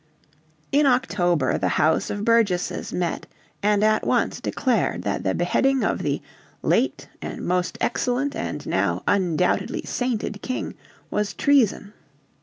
In October the House of Burgesses met and at once declared that the beheading of "the late most excellent and now undoubtedly sainted King" was treason.